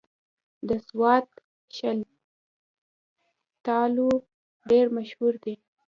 د سوات شلتالو ډېر مشهور دي